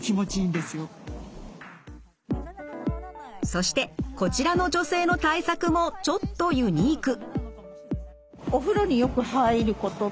そしてこちらの女性の対策もちょっとユニーク。